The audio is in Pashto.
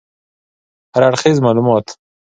هراړخیز معلومات